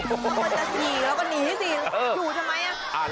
เออก็เจ๋นลืมน้อยต่ำแล้วก็หนีที่ดิทำไม